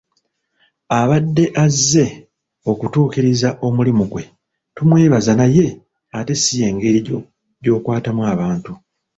Abadde azze okutuukiriza omulimu ggwe tumwebaza naye ate si y'engeri gy'okwatamu abantu.